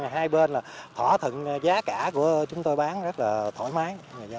hai bên là thỏa thuận giá cả của chúng tôi bán rất là thoải mái